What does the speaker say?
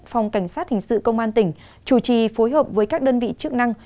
phòng cảnh sát hình sự công an tỉnh chủ trì phối hợp với các đơn vị chức năng